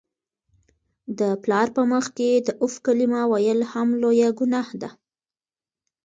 د پلار په مخ کي د "اف" کلمه ویل هم لویه ګناه ده.